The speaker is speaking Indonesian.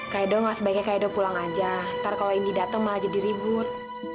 kak edo gak sebaiknya kak edo pulang aja ntar kalo indy dateng malah jadi ribut